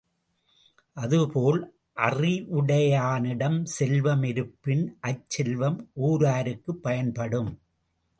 அதுபோல் அறிவுடையானிடம் செல்வம் இருப்பின் அச்செல்வம் ஊராருக்குப் பயன்படும்.